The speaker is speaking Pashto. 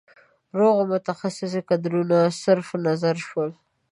روغو متخصص کدرونه صرف نظر شول.